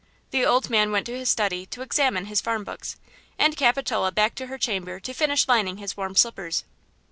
The old man went to his study to examine his farm books, and Capitol back to her chamber to finish lining his warm slippers.